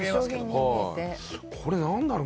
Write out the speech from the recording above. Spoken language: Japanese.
これ何だろう？